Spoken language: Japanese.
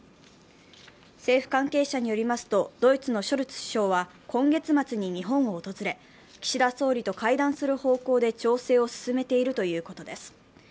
政府関係者によりますと、ドイツのショルツ首相は、今月末に日本を訪れ、岸田総理と会談する方向で調整を進めているということです。